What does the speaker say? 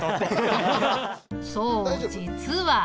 そう実は。